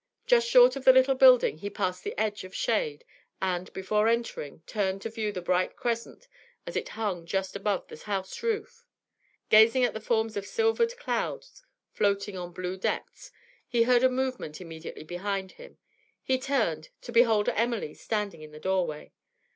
Just short of the little building, he passed the edge of shade, and, before entering, turned to view the bright crescent as it hung just above the house roof. Gazing at the forms of silvered cloud floating on blue depths, he heard a movement immediately behind him; he turned, to behold Emily standing in the doorway.